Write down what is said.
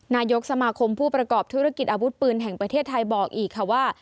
นายกสมาคมผู้ประกอบธุรกิจอาวุธปืนแห่งประเทศไทยบอกอีกค่ะว่า